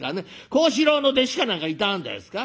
幸四郎の弟子か何かいたんですか？」。